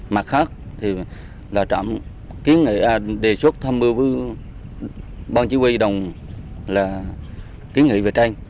mặt khác thì là ký nghị đề xuất thâm mưu với ban chỉ huy đồng là ký nghị về tranh